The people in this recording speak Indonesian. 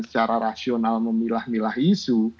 secara rasional memilah milah isu